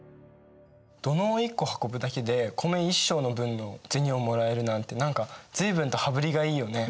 土のう１個運ぶだけで米１升の分の銭をもらえるなんて何か随分と羽振りがいいよね。